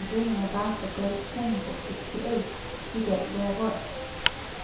bringing about the great change of '68 began their work.